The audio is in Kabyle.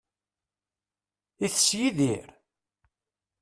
Itess Yidir?